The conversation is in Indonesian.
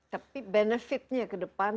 tapi benefitnya ke depan